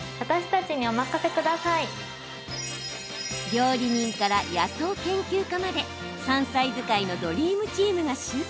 料理人から野草研究家まで山菜使いのドリームチームが集結。